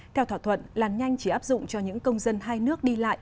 theo thỏa thuận làn nhanh chỉ áp dụng cho những công dân hai nước đi lại